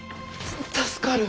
助かる！